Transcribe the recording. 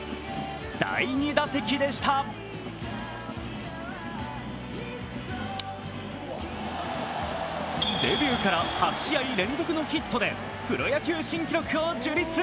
第２打席でしたデビューから８試合連続のヒットでプロ野球新記録を樹立。